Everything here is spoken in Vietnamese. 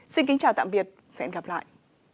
xin kính chào tạm biệt và hẹn gặp lại